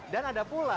dan ada pula